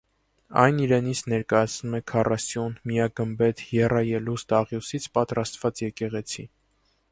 Այն իրենից ներկայացնում է քառասյուն, միագմբեթ եռաելուստ աղյուսից պատրաստված եկեղեցի։